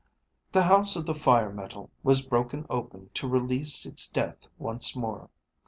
The house of the fire metal was broken open to release its death once more.